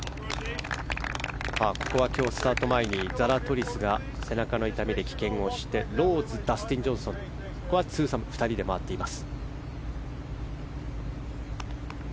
ここは今日スタート前にザラトリスが背中の痛みで棄権をしてローズ、ダスティン・ジョンソン通算２人で回っています。